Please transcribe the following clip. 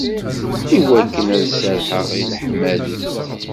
Iwakken ad serrḥeɣ d leḥmadi.